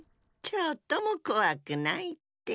ちょっともこわくないって。